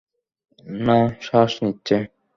না, শ্বাস নিচ্ছে।